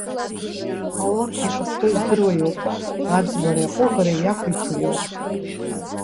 Аллаҳ ишахәҭоу издыруа иоуп, аӡбареи аҟәыӷареи иақәиҭу иоуп.